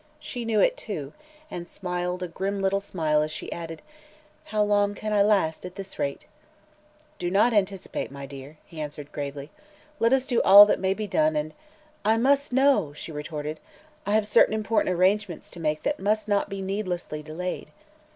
She knew it, too, and smiled a grim little smile as she added: "How long can I last, at this rate?" "Do not anticipate, my dear," he answered gravely. "Let us do all that may be done, and " "I must know!" she retorted. "I have certain important arrangements to make that must not be needlessly delayed."